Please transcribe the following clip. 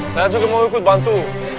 saya juga mau ikut bantu